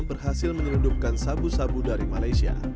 berhasil menyelundupkan sabu sabu dari malaysia